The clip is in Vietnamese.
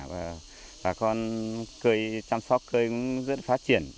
và bà con chăm sóc cây cũng rất là phát triển